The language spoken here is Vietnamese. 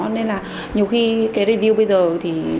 nên là nhiều khi cái review bây giờ thì